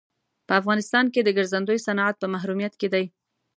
په افغانستان کې د ګرځندوی صنعت په محرومیت کې دی.